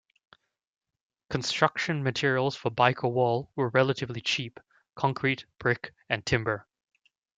Construction materials for Byker Wall were relatively cheap, concrete, brick and timber.